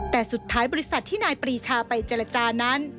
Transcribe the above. แต่สุดท้ายบริษัทที่นายปรีชาไปเจรจานั้น